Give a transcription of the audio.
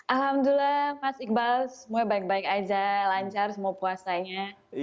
alhamdulillah mas iqbal semuanya baik baik aja lancar semua puasanya